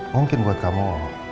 mungkin buat kamu